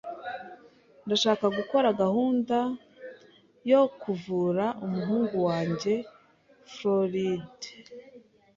[S] Ndashaka gukora gahunda yo kuvura umuhungu wanjye fluoride.